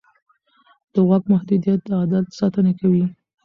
د واک محدودیت د عدالت ساتنه کوي